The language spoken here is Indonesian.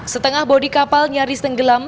setengah bodi kapal nyaris tenggelam